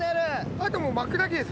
あとは巻くだけです